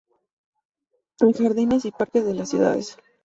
En jardines y parques de las ciudades.